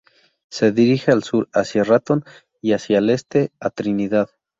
Se dirige al sur hacia Ratón y hacia el este a Trinidad.